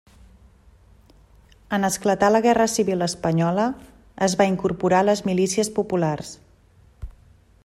En esclatar la guerra civil espanyola, es va incorporar a les Milícies Populars.